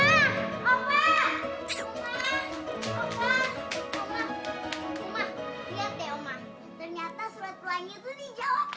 oma lihat deh oma ternyata surat pelangi itu dijawab